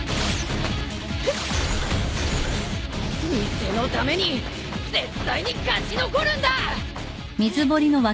店のために絶対に勝ち残るんだ！